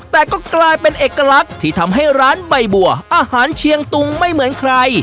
แต่ก็กลายเป็นเอกลักษณ์ที่ทำให้ร้านใบบัวอาหารเชียงตุงไม่เหมือนใคร